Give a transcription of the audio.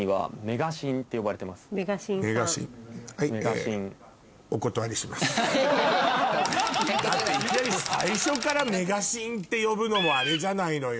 だっていきなり最初からメガシンって呼ぶのもあれじゃないのよ。